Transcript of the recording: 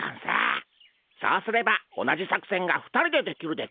そうすれば同じ作せんが２人でできるでゴンス。